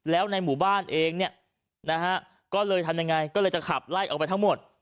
แล้วในหมู่บ้านเองเนี่ยนะฮะก็เลยทำยังไงก็เลยจะขับไล่ออกไปทั้งหมด